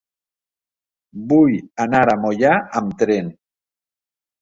Vull anar a Moià amb tren.